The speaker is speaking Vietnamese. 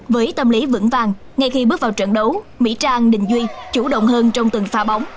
với tâm lý vững vàng ngay khi bước vào trận đấu mỹ trang đình duy chủ động hơn trong từng pha bóng